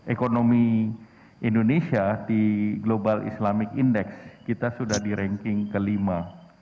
ekonomi indonesia di global islamic index kita sudah di ranking kelima